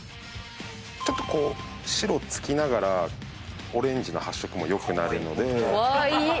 ちょっと白つきながらオレンジの発色もよくなるので。